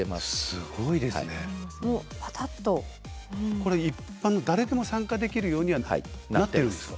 これ一般の誰でも参加できるようにはなってるんですか？